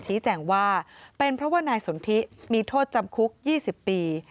ชี้แจงว่าเป็นเพราะว่านายสนทิมีโทษจำคุก๒๐ปี